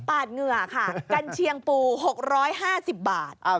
ดเหงื่อค่ะกัญเชียงปู๖๕๐บาท